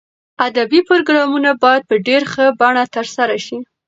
ادبي پروګرامونه باید په ډېر ښه بڼه ترسره شي.